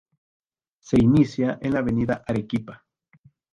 Se inicia en la avenida Arequipa.